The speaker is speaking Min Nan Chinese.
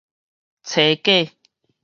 炊粿